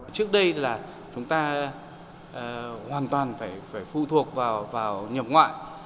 trước đây là chúng ta hoàn toàn phải phụ thuộc vào nhập ngoại